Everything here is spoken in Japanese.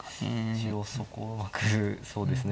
一応そこはうまくそうですね